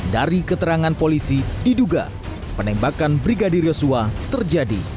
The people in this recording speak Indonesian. dari keterangan polisi diduga penembakan brigadir yosua terjadi